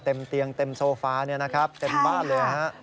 เต็มเตียงเต็มโซฟาที่เต็มบ้านเลยนะครับ